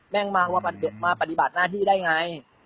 ่งมาว่ามาปฏิบัติหน้าที่ได้ไง